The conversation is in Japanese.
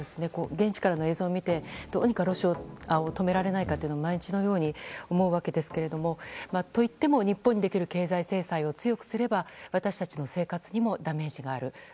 現地からの映像を見てどうにかロシアを止められないか毎日のように思うわけですがといっても日本にできる経済制裁を強くすれば私たちの生活にもダメージがある。